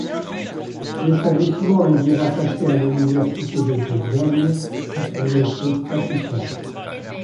L'établissement est dit rattaché à l'université de Bourgogne par son décret statutaire.